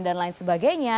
dan lain sebagainya